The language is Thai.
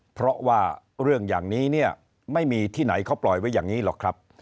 เพราะว่าเรื่องอย่างนี้เนี่ยไม่มีที่ไหนเขาปล่อยไว้อย่างนี้หรอกครับ